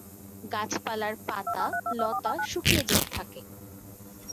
গাছপালার পাতা, লতা শুকিয়ে যেতে থাকে।